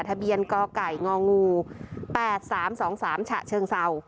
ทะเบียนกไก่งองู๘๓๒๓ฉะเชิงเศร้า